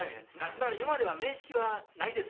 だから今までは面識はないです。